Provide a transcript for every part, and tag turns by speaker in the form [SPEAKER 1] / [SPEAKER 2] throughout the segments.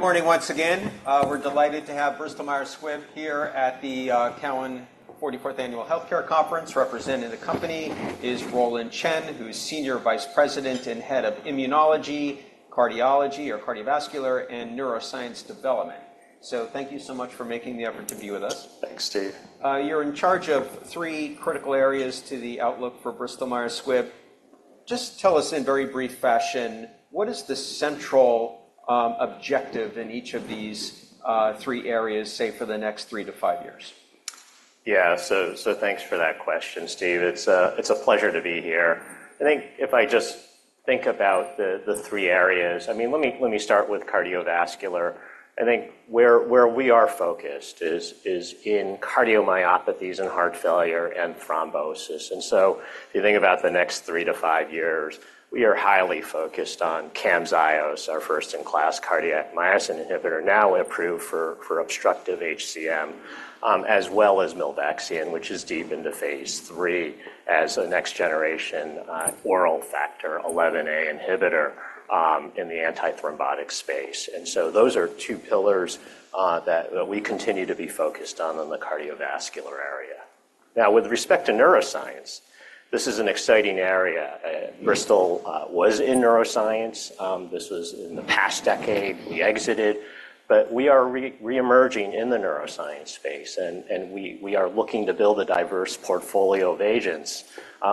[SPEAKER 1] Well, good morning once again. We're delighted to have Bristol Myers Squibb here at the Cowen 44th Annual Health Care Conference. Representing the company is Roland Chen, who is Senior Vice President and Head of Immunology, Cardiology, or Cardiovascular and Neuroscience Development. So thank you so much for making the effort to be with us.
[SPEAKER 2] Thanks, Steve.
[SPEAKER 1] You're in charge of three critical areas to the outlook for Bristol Myers Squibb. Just tell us in very brief fashion, what is the central objective in each of these three areas, say, for the next three to five years?
[SPEAKER 2] Yeah. So thanks for that question, Steve. It's a pleasure to be here. I think if I just think about the three areas, I mean, let me start with cardiovascular. I think where we are focused is in cardiomyopathies and heart failure, and thrombosis. And so if you think about the next three to five years, we are highly focused on CAMZYOS, our first-in-class cardiac myosin inhibitor, now approved for obstructive HCM, as well as milvexian, which is deep into phase III as a next-generation oral Factor XIa inhibitor in the antithrombotic space. And so those are two pillars that we continue to be focused on in the cardiovascular area. Now, with respect to neuroscience, this is an exciting area. Bristol was in neuroscience. This was in the past decade. We exited. But we are reemerging in the neuroscience space. We are looking to build a diverse portfolio of agents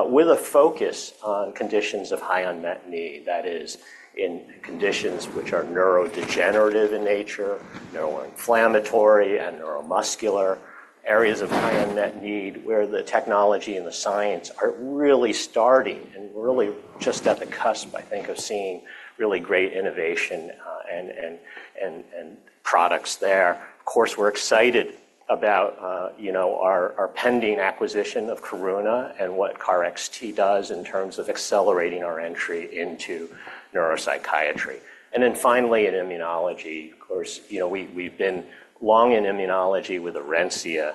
[SPEAKER 2] with a focus on conditions of high unmet need. That is, in conditions which are neurodegenerative in nature, neuroinflammatory, and neuromuscular, areas of high unmet need where the technology and the science are really starting and really just at the cusp, I think, of seeing really great innovation and products there. Of course, we're excited about our pending acquisition of Karuna and what KarXT does in terms of accelerating our entry into neuropsychiatry. And then finally, in immunology, of course, we've been long in immunology with Orencia.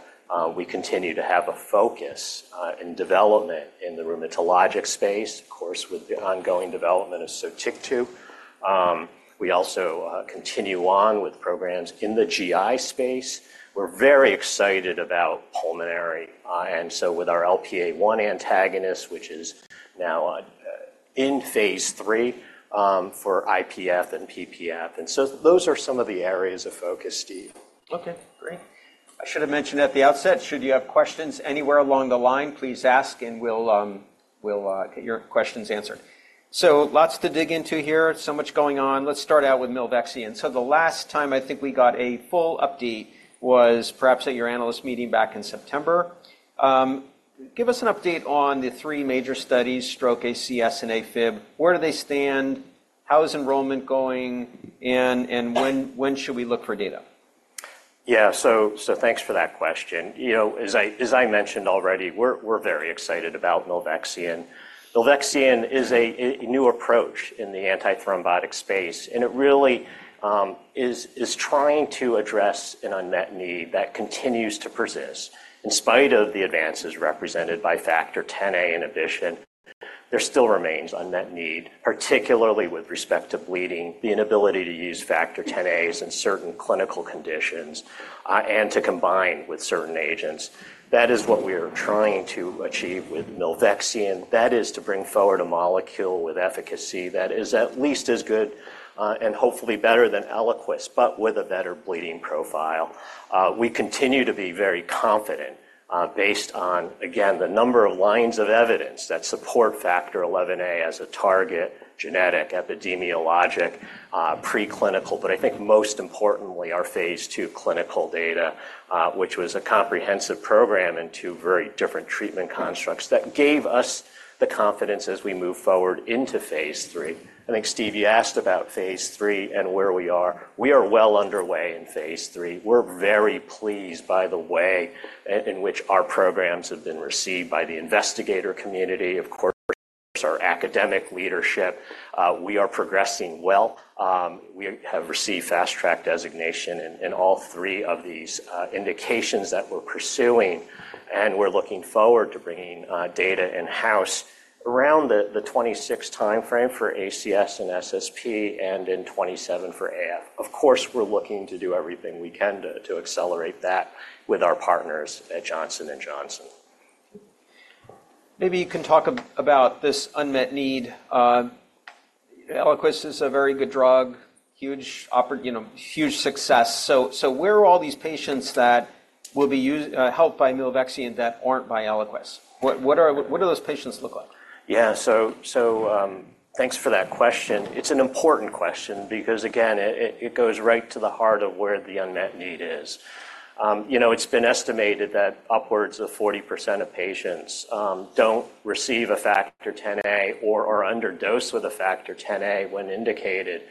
[SPEAKER 2] We continue to have a focus and development in the rheumatologic space, of course, with the ongoing development of Sotyktu. We also continue on with programs in the GI space. We're very excited about pulmonary. And so with our LPA-1 antagonist, which is now in phase III for IPF and PPF. Those are some of the areas of focus, Steve.
[SPEAKER 1] OK, great. I should have mentioned at the outset, should you have questions anywhere along the line, please ask, and we'll get your questions answered. So lots to dig into here. So much going on. Let's start out with milvexian. So the last time I think we got a full update was perhaps at your analyst meeting back in September. Give us an update on the three major studies: stroke, ACS, and AFib. Where do they stand? How is enrollment going? And when should we look for data?
[SPEAKER 2] Yeah. So thanks for that question. As I mentioned already, we're very excited about milvexian. Milvexian is a new approach in the antithrombotic space. And it really is trying to address an unmet need that continues to persist. In spite of the advances represented by Factor Xa inhibition, there still remains unmet need, particularly with respect to bleeding, the inability to use Factor Xas in certain clinical conditions, and to combine with certain agents. That is what we are trying to achieve with milvexian. That is to bring forward a molecule with efficacy that is at least as good and hopefully better than Eliquis, but with a better bleeding profile. We continue to be very confident based on, again, the number of lines of evidence that support Factor XIa as a target, genetic, epidemiologic, preclinical, but I think most importantly, our phase II clinical data, which was a comprehensive program in two very different treatment constructs that gave us the confidence as we move forward into phase III. I think, Steve, you asked about phase III and where we are. We are well underway in phase III. We're very pleased by the way in which our programs have been received by the investigator community, of course, our academic leadership. We are progressing well. We have received fast-track designation in all three of these indications that we're pursuing. We're looking forward to bringing data in-house around the 2026 time frame for ACS and SSP, and in 2027 for AF. Of course, we're looking to do everything we can to accelerate that with our partners at Johnson & Johnson.
[SPEAKER 1] Maybe you can talk about this unmet need. Eliquis is a very good drug, huge success. So where are all these patients that will be helped by milvexian that aren't by Eliquis? What do those patients look like?
[SPEAKER 2] Yeah. So thanks for that question. It's an important question because, again, it goes right to the heart of where the unmet need is. It's been estimated that upwards of 40% of patients don't receive a Factor Xa or are underdosed with a Factor Xa when indicated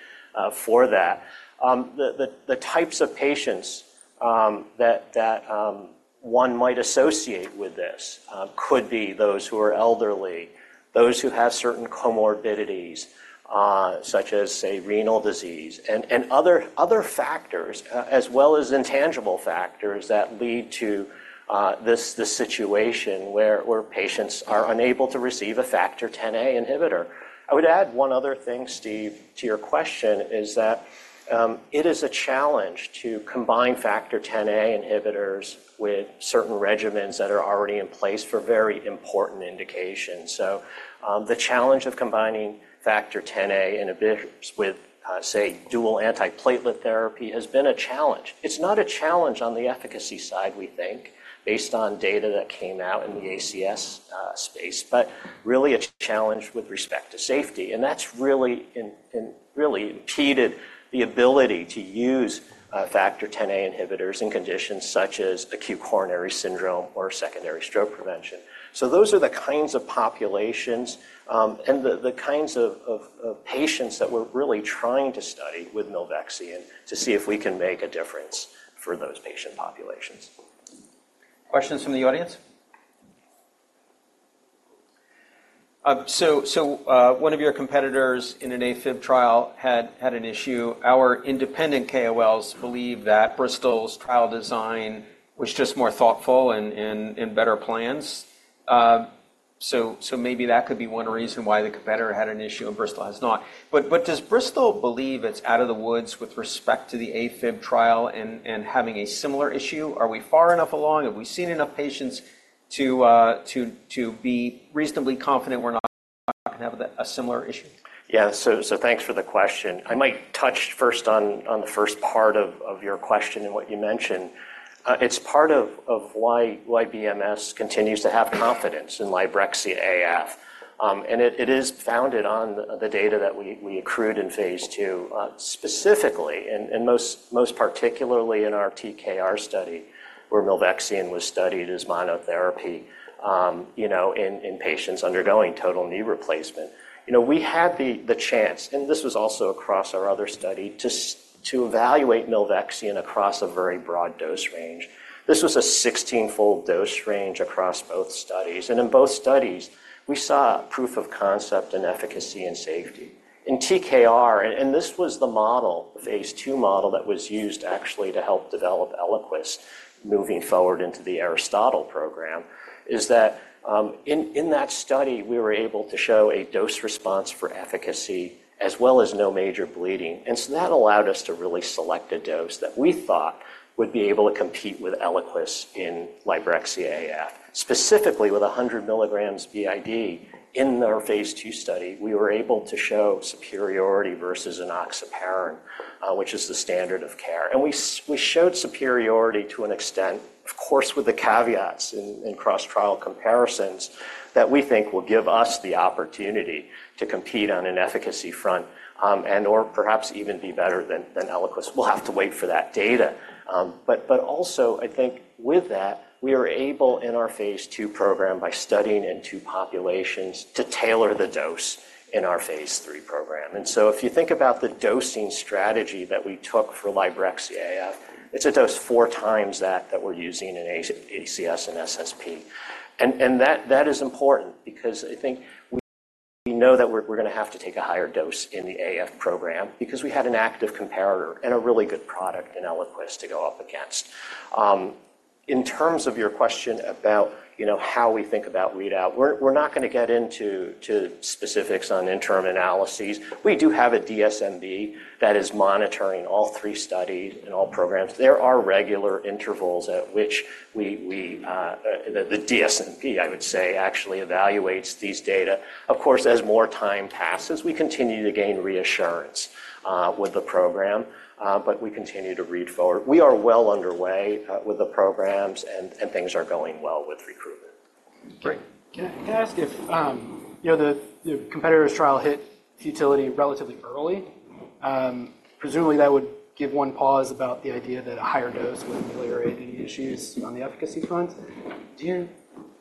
[SPEAKER 2] for that. The types of patients that one might associate with this could be those who are elderly, those who have certain comorbidities, such as, say, renal disease, and other factors, as well as intangible factors that lead to this situation, where patients are unable to receive a Factor Xa inhibitor. I would add one other thing, Steve, to your question is that it is a challenge to combine Factor Xa inhibitors with certain regimens that are already in place for very important indications. So the challenge of combining Factor Xa inhibitors with, say, dual antiplatelet therapy has been a challenge. It's not a challenge on the efficacy side, we think, based on data that came out in the ACS space, but really a challenge with respect to safety. And that's really impeded the ability to use Factor Xa inhibitors in conditions such as acute coronary syndrome or secondary stroke prevention. So those are the kinds of populations and the kinds of patients that we're really trying to study with milvexian to see if we can make a difference for those patient populations.
[SPEAKER 1] Questions from the audience? So one of your competitors in an AFib trial had an issue. Our independent KOLs believe that Bristol's trial design was just more thoughtful and better plans. So maybe that could be one reason why the competitor had an issue, and Bristol has not. But does Bristol believe it's out of the woods with respect to the AFib trial and having a similar issue? Are we far enough along? Have we seen enough patients to be reasonably confident we're not going to have a similar issue?
[SPEAKER 2] Yeah. So thanks for the question. I might touch first on the first part of your question and what you mentioned. It's part of why BMS continues to have confidence LIBREXIA AF. And it is founded on the data that we accrued in phase II, specifically, and most particularly in our TKR study, where milvexian was studied as monotherapy in patients undergoing total knee replacement. We had the chance, and this was also across our other study, to evaluate milvexian across a very broad dose range. This was a 16-fold dose range across both studies. And in both studies, we saw proof of concept, and efficacy, and safety. In TKR, and this was the model, the phase II model that was used actually to help develop Eliquis moving forward into the Aristotle program, is that in that study, we were able to show a dose response for efficacy as well as no major bleeding. And so that allowed us to really select a dose that we thought would be able to compete with Eliquis in LIBREXIA AF. Specifically, with 100 milligrams BID in our phase II study, we were able to show superiority versus enoxaparin, which is the standard of care. And we showed superiority to an extent, of course, with the caveats in cross-trial comparisons that we think will give us the opportunity to compete on an efficacy front and/or perhaps even be better than Eliquis. We'll have to wait for that data. But also, I think with that, we were able in our phase II program, by studying in two populations, to tailor the dose in our phase III program. So if you think about the dosing strategy that we took for LIBREXIA AF, it's a dose 4x that we're using in ACS and SSP. And that is important because I think we know that we're going to have to take a higher dose in the AF program because we had an active comparator and a really good product in Eliquis to go up against. In terms of your question about how we think about readout, we're not going to get into specifics on interim analyses. We do have a DSMB that is monitoring all three studies and all programs. There are regular intervals at which the DSMB, I would say, actually evaluates these data. Of course, as more time passes, we continue to gain reassurance with the program. But we continue to read forward. We are well underway with the programs. Things are going well with recruitment.
[SPEAKER 1] Great. Can I ask if the competitor's trial hit futility relatively early? Presumably, that would give one pause about the idea that a higher dose would ameliorate any issues on the efficacy front. Do you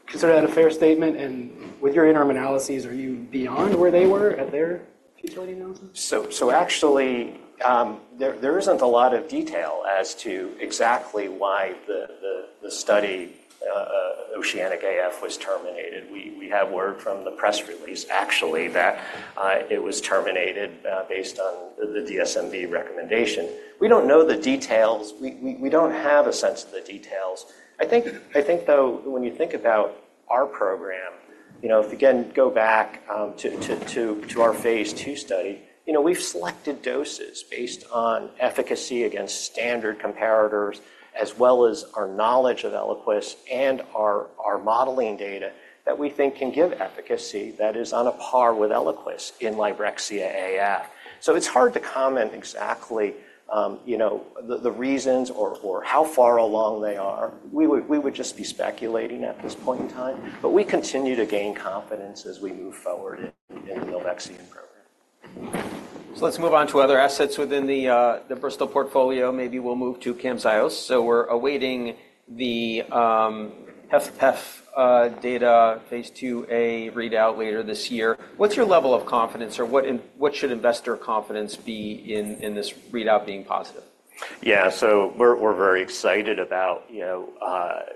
[SPEAKER 1] consider that a fair statement? And with your interim analyses, are you beyond where they were at their futility analysis?
[SPEAKER 2] So, actually, there isn't a lot of detail as to exactly why the study OCEANIC-AF was terminated. We have word from the press release, actually, that it was terminated based on the DSMB recommendation. We don't know the details. We don't have a sense of the details. I think, though, when you think about our program, if you can go back to our phase II study, we've selected doses based on efficacy against standard comparators, as well as our knowledge of Eliquis and our modeling data that we think can give efficacy that is on a par with Eliquis in LIBREXIA AF. So it's hard to comment exactly the reasons or how far along they are. We would just be speculating at this point in time. But we continue to gain confidence as we move forward in the milvexian program.
[SPEAKER 1] So let's move on to other assets within the Bristol portfolio. Maybe we'll move to CAMZYOS. So we're awaiting the HFpEF data, phase II-A readout later this year. What's your level of confidence? Or what should investor confidence be in this readout being positive?
[SPEAKER 2] Yeah. So we're very excited about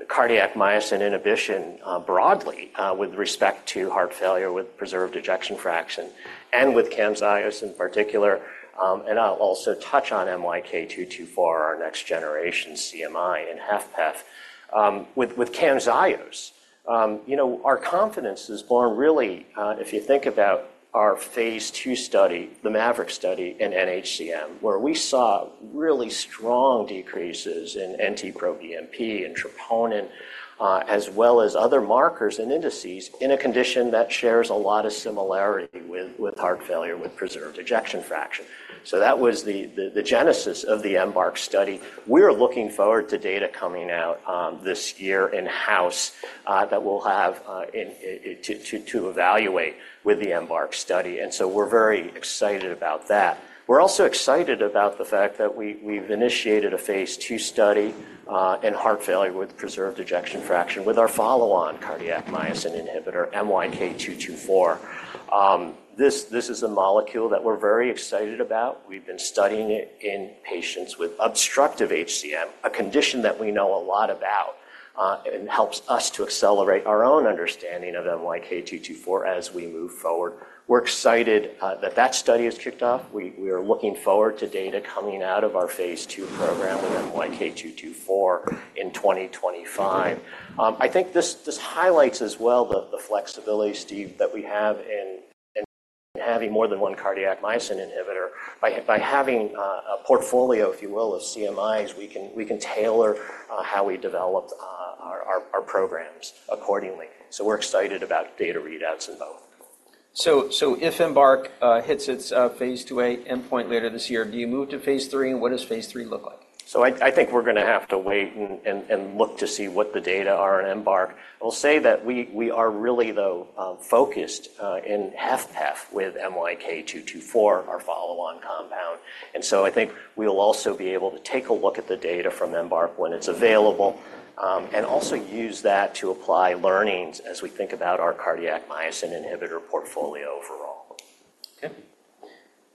[SPEAKER 2] cardiac myosin inhibition broadly with respect to heart failure with preserved ejection fraction and with CAMZYOS in particular. And I'll also touch on MYK-224, our next generation CMI in HFpEF. With CAMZYOS, our confidence is borne really, if you think about our phase II study, the MAVERICK study in nHCM, where we saw really strong decreases in NT-proBNP and troponin, as well as other markers and indices in a condition that shares a lot of similarity with heart failure with preserved ejection fraction. So that was the genesis of the EMBARC study. We are looking forward to data coming out this year in-house that we'll have to evaluate with the EMBARC study. And so we're very excited about that. We're also excited about the fact that we've initiated a phase II study in heart failure with preserved ejection fraction with our follow-on cardiac myosin inhibitor, MYK-224. This is a molecule that we're very excited about. We've been studying it in patients with obstructive HCM, a condition that we know a lot about and helps us to accelerate our own understanding of MYK-224 as we move forward. We're excited that that study has kicked off. We are looking forward to data coming out of our phase II program with MYK-224 in 2025. I think this highlights as well the flexibility, Steve, that we have in having more than one cardiac myosin inhibitor. By having a portfolio, if you will, of CMIs, we can tailor how we develop our programs accordingly. So we're excited about data readouts in both.
[SPEAKER 1] So if EMBARC hits its phase II-A endpoint later this year, do you move to phase III? And what does phase III look like?
[SPEAKER 2] So I think we're going to have to wait and look to see what the data are in EMBARC. I'll say that we are really, though, focused in HFpEF with MYK-224, our follow-on compound. And so I think we'll also be able to take a look at the data from EMBARC when it's available and also use that to apply learnings as we think about our cardiac myosin inhibitor portfolio overall.
[SPEAKER 1] OK.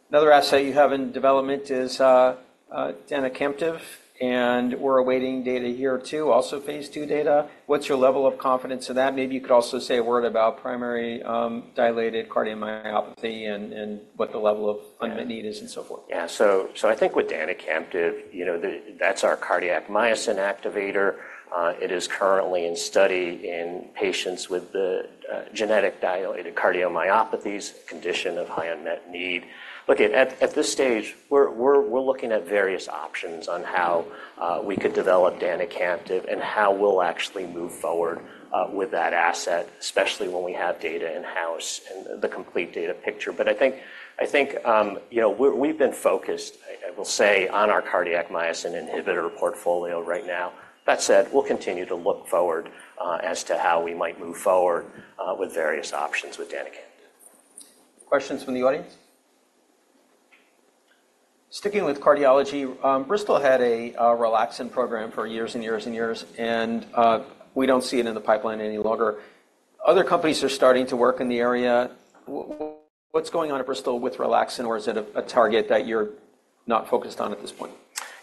[SPEAKER 1] Another asset you have in development is danicamtiv. And we're awaiting data here too, also phase II data. What's your level of confidence in that? Maybe you could also say a word about primary dilated cardiomyopathy and what the level of unmet need is, and so forth.
[SPEAKER 2] Yeah. So I think with danicamtiv, that's our cardiac myosin activator. It is currently in study in patients with genetic dilated cardiomyopathies, a a condition of high unmet need. Look, at this stage, we're looking at various options on how we could develop danicamtiv and how we'll actually move forward with that asset, especially when we have data in-house and the complete data picture. But I think we've been focused, I will say, on our cardiac myosin inhibitor portfolio right now. That said, we'll continue to look forward as to how we might move forward with various options with danicamtiv.
[SPEAKER 1] Questions from the audience? Sticking with cardiology, Bristol had a relaxin program for years and years and years. We don't see it in the pipeline any longer. Other companies are starting to work in the area. What's going on at Bristol with relaxin? Or is it a target that you're not focused on at this point?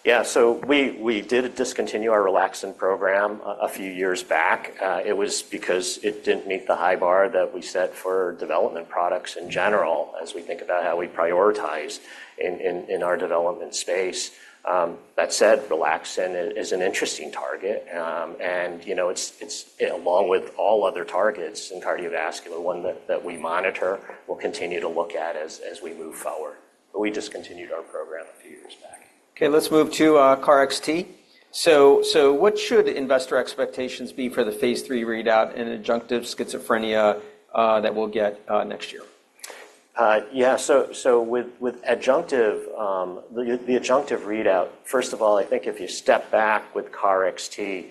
[SPEAKER 2] Yeah. So we did discontinue our relaxin program a few years back. It was because it didn't meet the high bar that we set for development products in general, as we think about how we prioritize in our development space. That said, relaxin is an interesting target. And along with all other targets in cardiovascular, one that we monitor, we'll continue to look at as we move forward. But we discontinued our program a few years back.
[SPEAKER 1] OK. Let's move to KarXT. So what should investor expectations be for the phase III readout in adjunctive schizophrenia that we'll get next year?
[SPEAKER 2] Yeah. So with the adjunctive readout, first of all, I think if you step back with KarXT,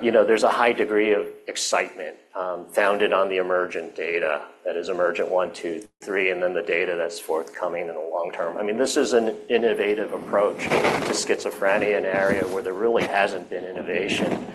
[SPEAKER 2] there's a high degree of excitement founded on the EMERGENT data that is EMERGENT-1, EMERGENT-2, EMERGENT-3, and then the data that's forthcoming in the long term. I mean, this is an innovative approach to schizophrenia, an area where there really hasn't been innovation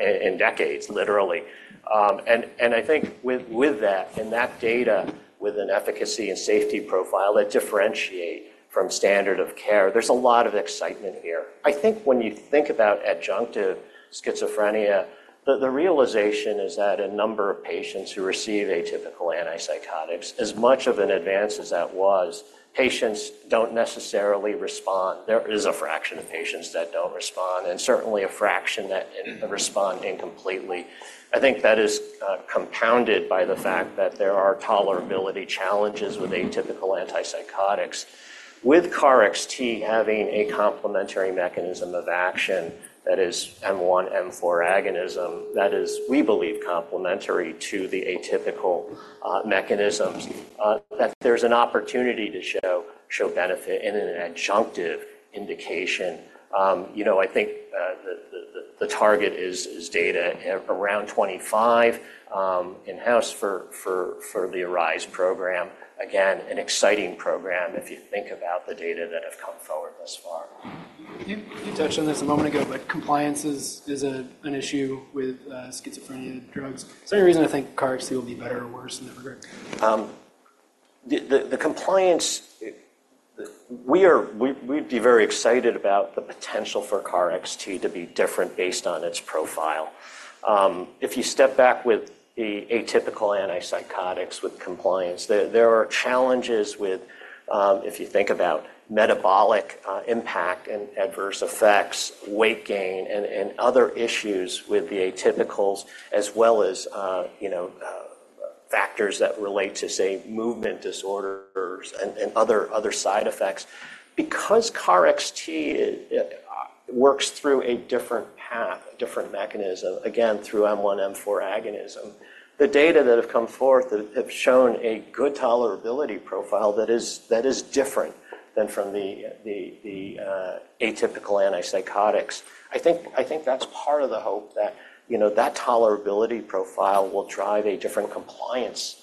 [SPEAKER 2] in decades, literally. And I think with that and that data with an efficacy and safety profile that differentiate from standard of care, there's a lot of excitement here. I think when you think about adjunctive schizophrenia, the realization is that a number of patients who receive atypical antipsychotics, as much of an advance as that was, patients don't necessarily respond. There is a fraction of patients that don't respond and certainly a fraction that respond incompletely. I think that is compounded by the fact that there are tolerability challenges with atypical antipsychotics. With KarXT having a complementary mechanism of action that is M1/M4 agonism, that is, we believe, complementary to the atypical mechanisms, that there's an opportunity to show benefit in an adjunctive indication. I think the target is data around 25 in-house for the ARISE program. Again, an exciting program if you think about the data that have come forward thus far.
[SPEAKER 1] You touched on this a moment ago. But compliance is an issue with schizophrenia drugs. Is there any reason to think KarXT will be better or worse in that regard?
[SPEAKER 2] The compliance, we'd be very excited about the potential for KarXT to be different based on its profile. If you step back with the atypical antipsychotics with compliance, there are challenges with, if you think about metabolic impact and adverse effects, weight gain, and other issues with the atypicals, as well as factors that relate to, say, movement disorders and other side effects. Because KarXT works through a different path, a different mechanism, again, through M1/M4 agonism, the data that have come forth have shown a good tolerability profile that is different than from the atypical antipsychotics. I think that's part of the hope that that tolerability profile will drive a different compliance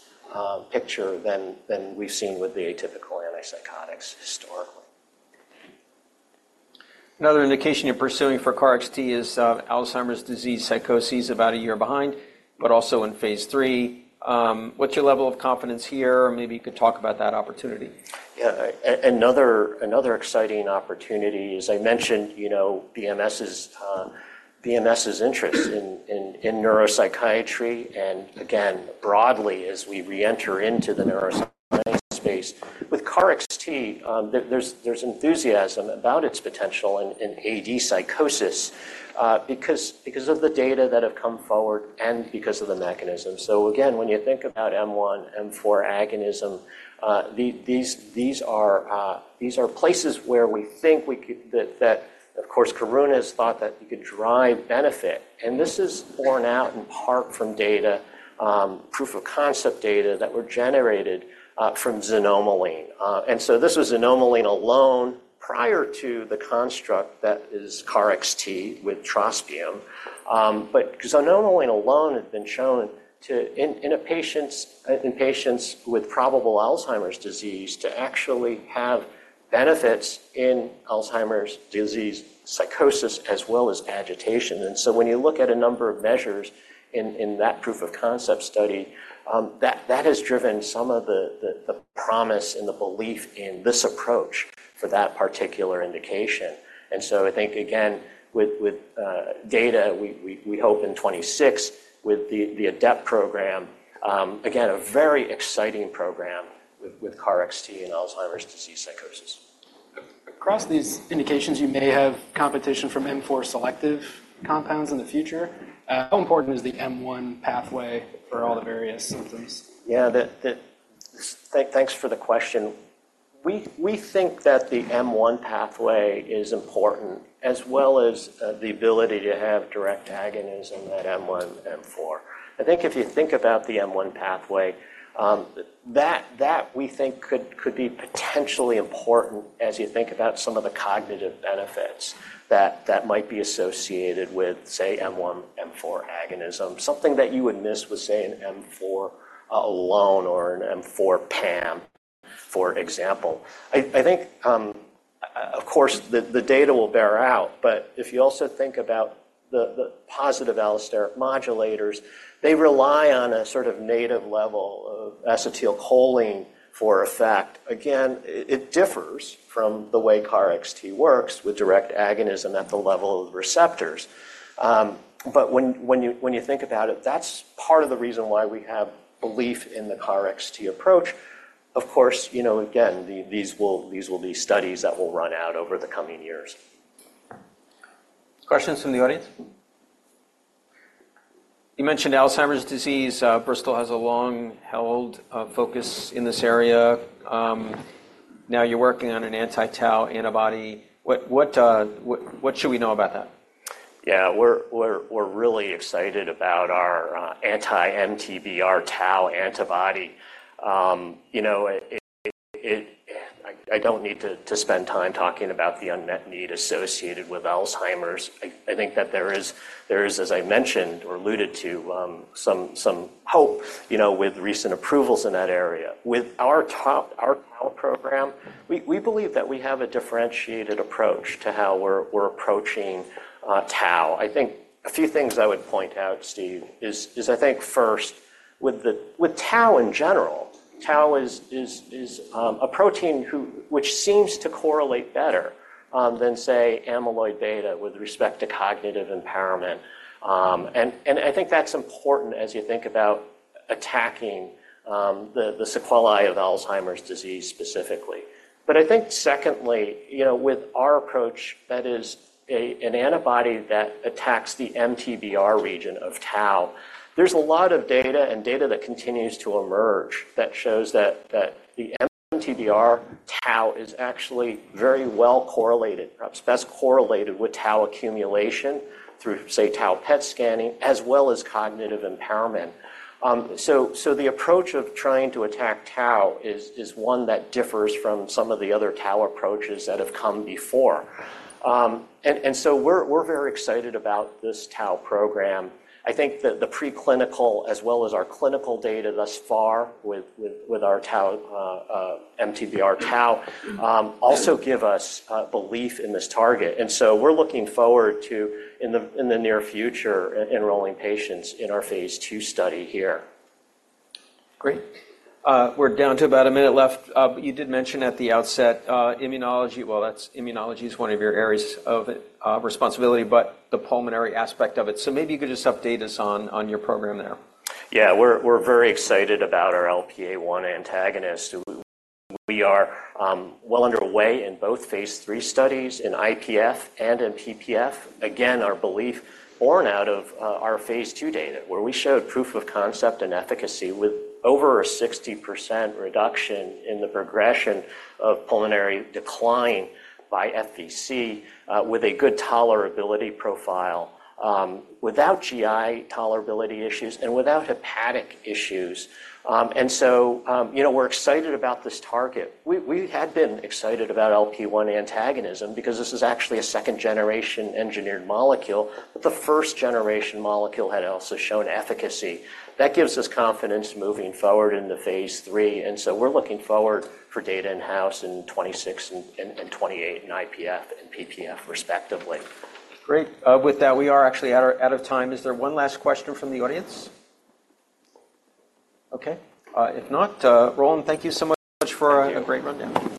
[SPEAKER 2] picture than we've seen with the atypical antipsychotics historically.
[SPEAKER 1] Another indication you're pursuing for KarXT is Alzheimer's disease psychosis, about a year behind but also in phase III. What's your level of confidence here? Or maybe you could talk about that opportunity.
[SPEAKER 2] Yeah. Another exciting opportunity is I mentioned BMS's interest in neuropsychiatry and, again, broadly, as we reenter into the neuroscience space. With KarXT, there's enthusiasm about its potential in AD psychosis because of the data that have come forward and because of the mechanism. So again, when you think about M1/M4 agonism, these are places where we think that, of course, Karuna has thought that you could drive benefit. And this is borne out in part from data, proof of concept data that were generated from xanomeline. And so this was xanomeline alone prior to the construct that is KarXT with trospium. But xanomeline alone had been shown in patients with probable Alzheimer's disease to actually have benefits in Alzheimer's disease psychosis as well as agitation. When you look at a number of measures in that proof of concept study, that has driven some of the promise and the belief in this approach for that particular indication. I think, again, with data, we hope in 2026 with the ADEPT program, again, a very exciting program with KarXT and Alzheimer's disease psychosis.
[SPEAKER 1] Across these indications, you may have competition from M4 selective compounds in the future. How important is the M1 pathway for all the various symptoms?
[SPEAKER 2] Yeah. Thanks for the question. We think that the M1 pathway is important as well as the ability to have direct agonism at M1/M4. I think if you think about the M1 pathway, that we think could be potentially important as you think about some of the cognitive benefits that might be associated with, say, M1/M4 agonism, something that you would miss with, say, an M4 alone or an M4 PAM, for example. I think, of course, the data will bear out. But if you also think about the positive allosteric modulators, they rely on a sort of native level of acetylcholine for effect. Again, it differs from the way KarXT works with direct agonism at the level of the receptors. But when you think about it, that's part of the reason why we have belief in the KarXT approach. Of course, again, these will be studies that will run out over the coming years.
[SPEAKER 1] Questions from the audience? You mentioned Alzheimer's disease. Bristol has a long-held focus in this area. Now you're working on an anti-Tau antibody. What should we know about that?
[SPEAKER 2] Yeah. We're really excited about our anti-MTBR-Tau antibody. I don't need to spend time talking about the unmet need associated with Alzheimer's. I think that there is, as I mentioned or alluded to, some hope with recent approvals in that area. With our Tau program, we believe that we have a differentiated approach to how we're approaching Tau. I think a few things I would point out, Steve, is, I think, first, with Tau in general, Tau is a protein which seems to correlate better than, say, amyloid beta with respect to cognitive impairment. I think that's important as you think about attacking the sequelae of Alzheimer's disease specifically. But I think, secondly, with our approach, that is an antibody that attacks the MTBR region of Tau, there's a lot of data and data that continues to emerge that shows that the MTBR-Tau is actually very well correlated, perhaps best correlated with Tau accumulation through, say, Tau PET scanning, as well as cognitive impairment. So the approach of trying to attack Tau is one that differs from some of the other Tau approaches that have come before. And so we're very excited about this Tau program. I think that the preclinical as well as our clinical data thus far with our MTBR-Tau also give us belief in this target. And so we're looking forward to, in the near future, enrolling patients in our phase II study here.
[SPEAKER 1] Great. We're down to about a minute left. You did mention at the outset immunology. Well, immunology is one of your areas of responsibility. But the pulmonary aspect of it. So maybe you could just update us on your program there.
[SPEAKER 2] Yeah. We're very excited about our LPA-1 antagonist. We are well underway in both phase III studies in IPF and in PPF. Again, our belief born out of our phase II data, where we showed proof of concept and efficacy with over a 60% reduction in the progression of pulmonary decline by FVC with a good tolerability profile without GI tolerability issues and without hepatic issues. And so we're excited about this target. We had been excited about LPA-1 antagonism because this is actually a second-generation engineered molecule. But the first-generation molecule had also shown efficacy. That gives us confidence moving forward in the phase III. And so we're looking forward for data in-house in 2026 and 2028 in IPF and PPF, respectively.
[SPEAKER 1] Great. With that, we are actually out of time. Is there one last question from the audience? OK. If not, Roland, thank you so much for a great rundown.
[SPEAKER 2] Thank you.